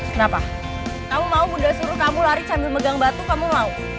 kenapa kamu mau udah suruh kamu lari sambil megang batu kamu mau